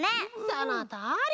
そのとおり！